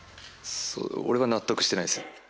俺は納得してないです。